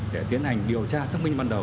để tiến hành điều tra xác minh ban đầu